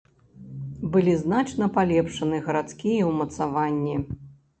Былі значна палепшаны гарадскія ўмацаванні.